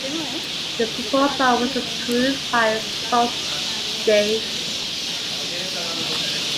The proposal was approved by Sault Ste.